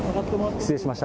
失礼しました。